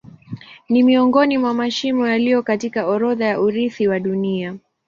Ni miongoni mwa mashimo yaliyo katika orodha ya urithi wa Dunia.